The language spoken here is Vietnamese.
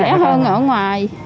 rẻ hơn ở ngoài